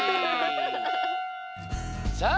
さあ！